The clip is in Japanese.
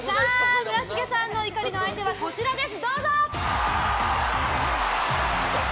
村重さんの怒りの相手はこちらです！